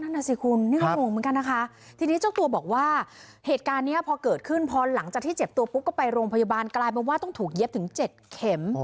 นั่นน่ะสิคุณนี่ก็งงเหมือนกันนะคะทีนี้เจ้าตัวบอกว่าเหตุการณ์นี้พอเกิดขึ้นพอหลังจากที่เจ็บตัวปุ๊บก็ไปโรงพยาบาลกลายเป็นว่าต้องถูกเย็บถึง๗เข็ม